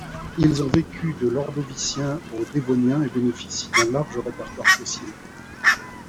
Ils ont vécu de l'Ordovicien au Dévonien et bénéficient d'un large répertoire fossile.